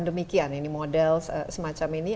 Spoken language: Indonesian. demikian ini model semacam ini